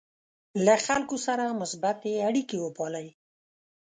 له خلکو سره مثبتې اړیکې وپالئ.